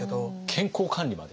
健康管理まで？